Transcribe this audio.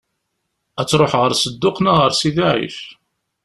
Ad tṛuḥ ɣer Sedduq neɣ ɣer Sidi Ɛic?